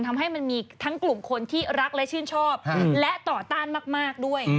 ทำให้มันมีทั้งกลุ่มคนที่รักและชื่นชอบและต่อต้านมากด้วย